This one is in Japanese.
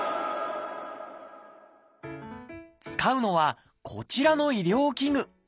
使うのはこちらの医療器具。